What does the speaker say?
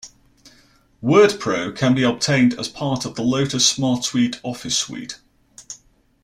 Word Pro can be obtained as part of the Lotus SmartSuite office suite.